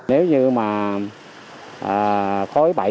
nếu như mà